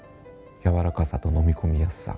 やわらかさと飲み込みやすさ